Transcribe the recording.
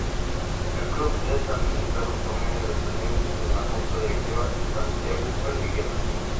El club es administrado por medio del presidente de la junta directiva, Santiago Perdiguero.